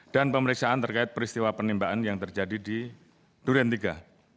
dan pemeriksaan terkait peristiwa penimbaan yang terjadi di durian iii